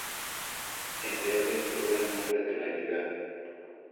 En verde, figura el nombre de la entidad.